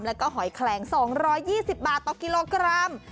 แล้วก็หอยแคลง๒๒๐บาทต่อกิโลกรัม